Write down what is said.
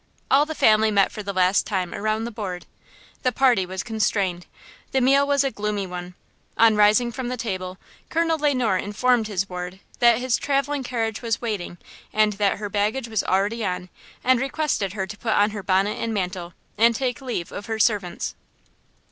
All the family met for the last time around the board. The party was constrained. The meal was a gloomy one. On rising from the table Colonel Le Noir informed his ward that his traveling carriage was waiting, and that her baggage was already on, and requested her to put on her bonnet and mantle, and take leave of her servants.